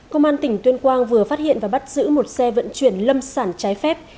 công an tỉnh tuyên quang vừa phát hiện và bắt giữ một xe vận chuyển lâm sản trái phép